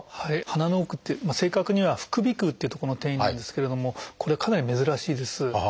鼻の奥って正確には「副鼻腔」という所の転移なんですけれどもこれはかなり珍しいです。